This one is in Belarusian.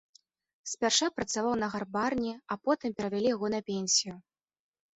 Спярша працаваў на гарбарні, а потым перавялі яго на пенсію.